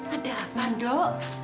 ada apa dok